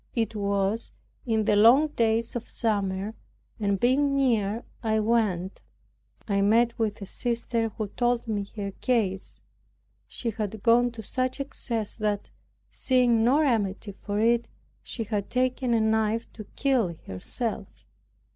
It was in the long days of summer, and being near, I went. I met with a sister who told me her case. She had gone to such excess, that seeing no remedy for it, she had taken a knife to kill herself.